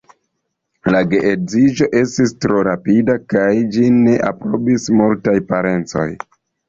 La geedziĝo estis tro rapida kaj ĝin ne aprobis multaj parencoj.